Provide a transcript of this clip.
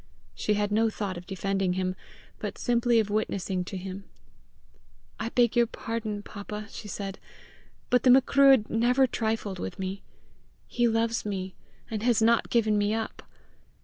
She had no thought of defending him, but simply of witnessing to him. "I beg your pardon, papa," she said, "but the Macruadh never trifled with me. He loves me, and has not given me up.